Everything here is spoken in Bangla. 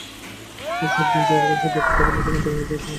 আর যখন শব্দটি থাকে না, তখন তরঙ্গটিও থাকে না।